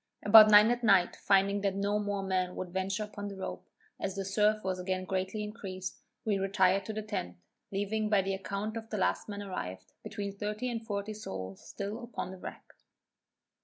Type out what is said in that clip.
About nine at night finding that no more men would venture upon the rope, as the surf was again greatly increased, we retired to the tent, leaving by the account of the last man arrived, between thirty and forty souls still upon the wreck.